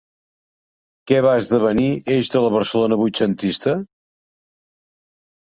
Què va esdevenir eix de la Barcelona vuitcentista?